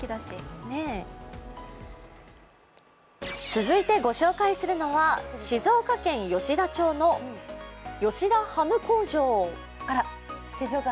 続いて御紹介するのは静岡県吉田町の吉田ハム工場。